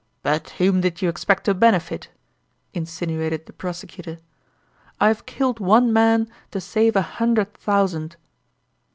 "But whom did you expect to benefit?" insinuated the prosecutor. "I have killed one man to save a hundred thousand."